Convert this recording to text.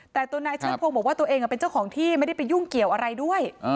แต่ตัวนายเชิดพงศ์บอกว่าตัวเองเป็นเจ้าของที่ไม่ได้ไปยุ่งเกี่ยวอะไรด้วย